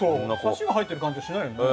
サシが入ってる感じはしないよね。